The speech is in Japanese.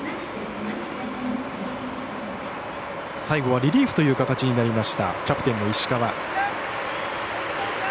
最後はリリーフという形になりましたキャプテンの石川。